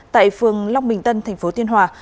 tại phường lóc bình tân tp tiên hòa